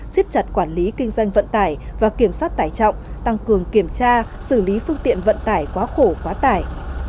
xiết chặt quản lý kinh doanh vận tải và kiểm soát tải trọng tăng cường kiểm tra xử lý phương tiện vận tải quá khổ quá tải